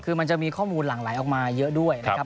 คือมันจะมีข้อมูลหลั่งไหลออกมาเยอะด้วยนะครับ